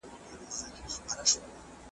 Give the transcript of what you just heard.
غزل دي نور له دې بازاره سره نه جوړیږي .